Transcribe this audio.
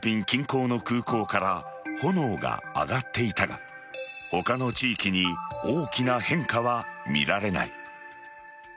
近郊の空港から炎が上がっていたが他の地域に大きな変化は見られない。